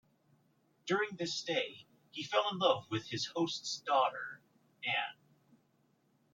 During this stay, he fell in love with his host's daughter Anne.